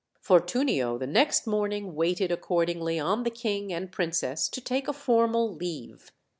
Fortunio the next morning waited accordingly on the king and princess to take a formal leave.